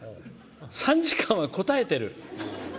３時間はこたえてる。